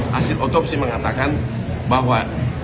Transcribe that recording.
hasil otopsi mengatakan bahwa